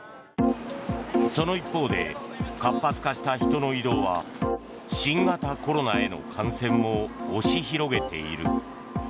その一方で活発化した人の移動は新型コロナへの感染も押し広げている。